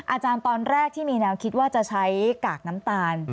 อาจารย์ตอนแรกที่มีแนวคิดว่าจะใช้กากน้ำตาล